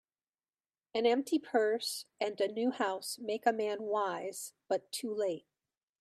An empty purse, and a new house, make a man wise, but too late